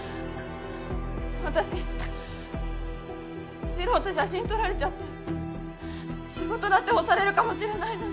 私治郎と写真撮られちゃって仕事だって干されるかもしれないのに。